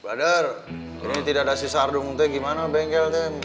badar ini tidak ada si sardung gimana bengkelnya